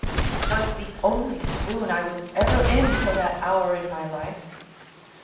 'Twas the only swoon I was ever in till that hour in my life.